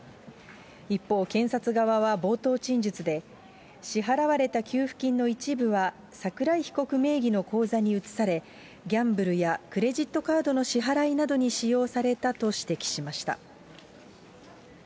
一方、検察側は冒頭陳述で、支払われた給付金の一部は、桜井被告名義の口座に移され、ギャンブルやクレジットカードの支払いなどに使用されたと指摘しました。